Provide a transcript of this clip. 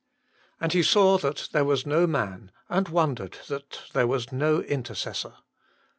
"And He saw that there was no man, and wondered that there was no intercessor."